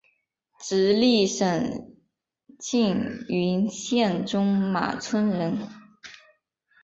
直隶省庆云县中马村人。